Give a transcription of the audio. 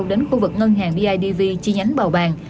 đến khu vực ngân hàng bidv chi nhánh bào bàng